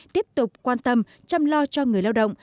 tiếp tục quan tâm chăm lo cho người lao động